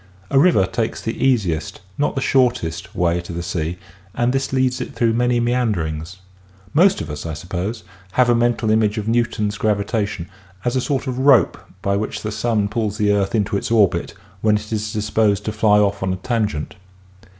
A river takes the easiest, not the shortest, way to the sea and this leads it through many meanderings. Most of us, I suppose, have a mental image of Newton's gravitation as a sort of rope by which the sun pulls the earth into its orbit when it is disposed to fly off on a tangent.